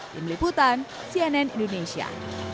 tim liputan cnn indonesia